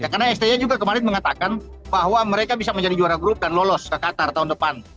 karena stj juga kemarin mengatakan bahwa mereka bisa menjadi juara grup dan lolos ke qatar tahun depan